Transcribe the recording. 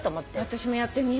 私もやってみよう。